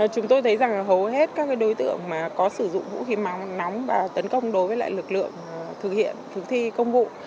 chúng tôi thấy rằng hầu hết các đối tượng có sử dụng vũ khí máu nóng và tấn công đối với lực lượng thực thi công vụ